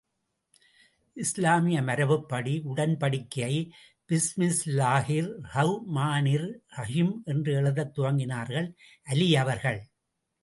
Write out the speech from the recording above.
இஸ்லாமிய மரபுப்படி உடன்படிக்கையை பிஸ்மில்லாஹிர் ரஹ்மானிர் ரஹிம் என்று எழுதத் துவங்கினார்கள் அலீ அவர்கள்.